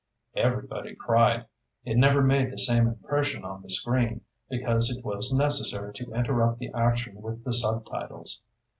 Everybody cried. It never made the same impression on the screen, because it was necessary to interrupt the action with the sub titles.